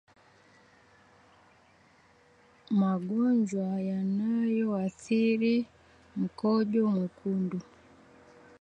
Magonjwa yanayoathiri mkojo mwekundu